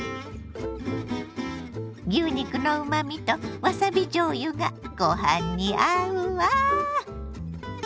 牛肉のうまみとわさびじょうゆがご飯に合うわ。